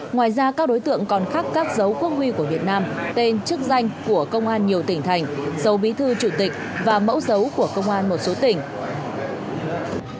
ngoài ra các đối tượng còn khắc các dấu quốc huy của việt nam tên chức danh của công an nhiều tỉnh thành dấu bí thư chủ tịch và mẫu dấu của công an một số tỉnh